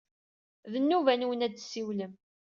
D nnuba-nwen ad d-tessiwlem.